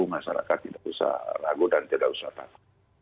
masyarakat tidak usah ragu dan tidak usah takut